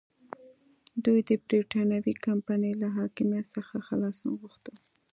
دوی د برېټانوي کمپنۍ له حاکمیت څخه خلاصون غوښته.